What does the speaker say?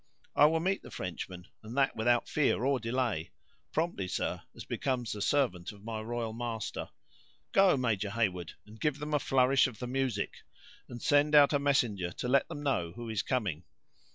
"I will meet the Frenchman, and that without fear or delay; promptly, sir, as becomes a servant of my royal master. Go, Major Heyward, and give them a flourish of the music; and send out a messenger to let them know who is coming.